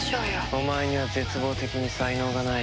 お前には絶望的に才能がない。